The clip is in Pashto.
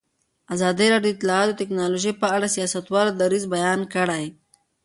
ازادي راډیو د اطلاعاتی تکنالوژي په اړه د سیاستوالو دریځ بیان کړی.